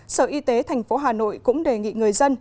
sở y tế thành phố hà nội cũng đề nghị người dân